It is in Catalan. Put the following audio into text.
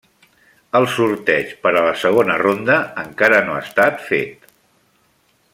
El sorteig per a la segona ronda encara no ha estat feta.